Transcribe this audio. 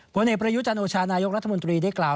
ผลเอกประยุจันโอชานายกรัฐมนตรีได้กล่าว